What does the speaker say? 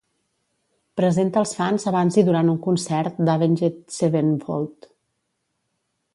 Presenta els fans abans i durant un concert d'Avenged Sevenfold.